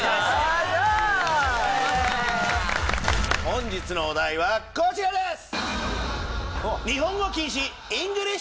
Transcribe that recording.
本日のお題はこちらです！